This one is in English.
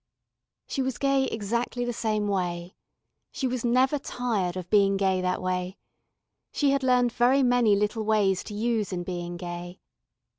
She was gay exactly the same way. She was never tired of being gay that way. She had learned very many little ways to use in being gay.